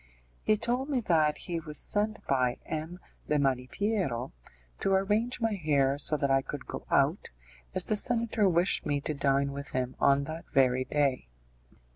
He told me that he was sent by M. de Malipiero to arrange my hair so that I could go out, as the senator wished me to dine with him on that very day.